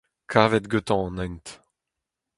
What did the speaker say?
Kavet gantañ an hent !